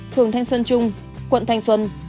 phường thanh xuân trung quận thanh xuân